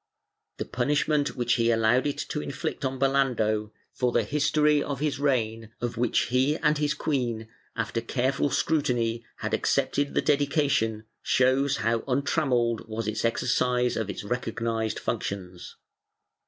The punishment which he allowed it to inflict on Belando, for the history of his reign of which he and his queen, after careful scrutiny, had accepted the dedication, shows how untrammelled was its exercise of its recognized functions.